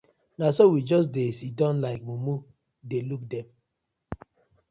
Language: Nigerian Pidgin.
Na so we just dey siddon like mumu dey look dem.